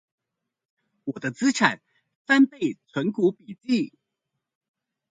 我的資產翻倍存股筆記